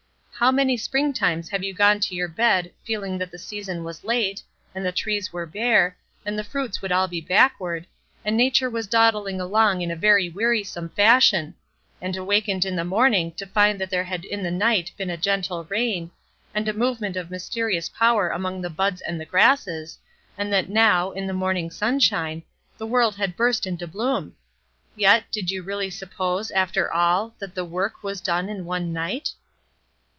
How many springtimes have you gone to your bed feeling that the season was late, and the trees were bare, and the fruits would all be backward, and Nature was dawdling along in a very wearisome fashion; and awakened in the morning to find that there had in the night been a gentle rain, and a movement of mysterious power among the buds and the grasses, and that now, in the morning sunshine, the world had burst into bloom? Yet, did you really suppose, after all, that the work was done in one night?